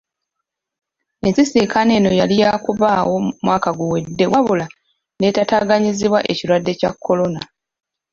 Ensisinkano eno yali yaakubaawo mwaka guwedde wabula n'etaataganyizibwa ekirwadde kya kolona.